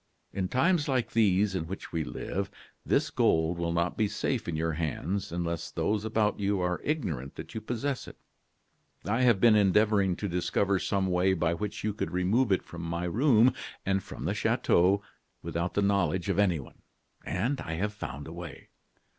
In times like these in which we live, this gold will not be safe in your hands unless those about you are ignorant that you possess it. I have been endeavoring to discover some way by which you could remove it from my room, and from the chateau, without the knowledge of anyone; and I have found a way.